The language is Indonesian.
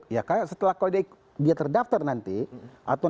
ya kayak setelah kalau dia terdaftar nanti atau nanti koalisi ini mendapati